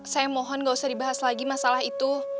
saya mohon gak usah dibahas lagi masalah itu